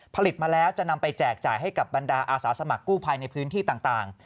ผลิตมาแล้วจะนำไปแจกจ่ายให้กับบรรดาอาสาสมัครกู้ภัยในพื้นที่ต่าง